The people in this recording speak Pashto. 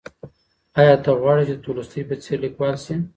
ایا ته غواړې چې د تولستوی په څېر لیکوال شې؟